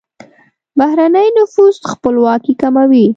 بهرنی نفوذ خپلواکي کموي.